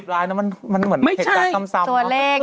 ร้ายนะมันเหมือนเหตุการณ์ซ้ำตัวเลข